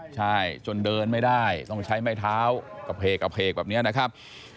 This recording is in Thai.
ใช่จนเดินไม่ได้ต้องใช้ไม้เท้ากระเพกกระเพกแบบนี้นะครับ